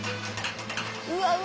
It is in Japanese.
うわうわ！